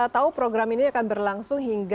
tahu program ini akan berlangsung hingga